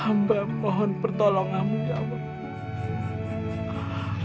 hamba mohon pertolonganmu ya allah